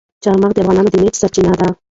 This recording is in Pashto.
چار مغز د افغانانو د معیشت سرچینه ده.